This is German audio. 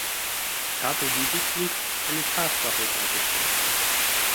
Ich habe lediglich eine Tatsache dargestellt.